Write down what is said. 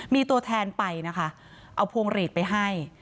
มีตัวแทนไปนะคะเอาพวงหลีดไปให้